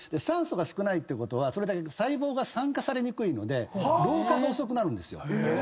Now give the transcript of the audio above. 酸素が少ないってことはそれだけ細胞が酸化されにくいので老化が遅くなるんですよ。